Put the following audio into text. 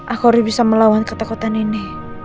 aku harus bisa melawan ketakutan ini